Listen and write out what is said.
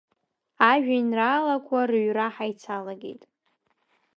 Ажәеинраалақәа рыҩра ҳаицалагеит.